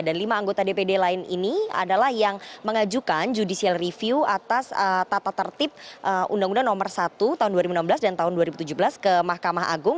dan lima anggota dpd lain ini adalah yang mengajukan judicial review atas tata tertib undang undang nomor satu tahun dua ribu enam belas dan tahun dua ribu tujuh belas ke mahkamah agung